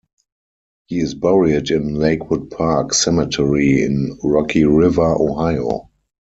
He is buried in Lakewood Park Cemetery in Rocky River, Ohio.